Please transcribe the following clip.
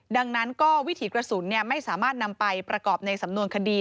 ดังนั้นก็วิถีกระสุนไม่สามารถนำไปประกอบในสำนวนคดี